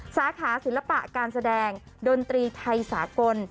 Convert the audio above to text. สาขาศิลปะการแสดงดนตรีไทยสากล